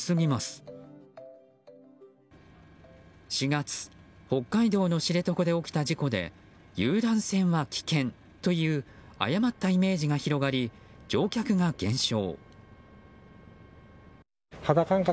４月北海道の知床で起きた事故で遊覧船は危険という誤ったイメージが広がり乗客が減少。